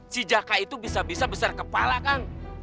si jaka itu bisa bisa besar kepala kang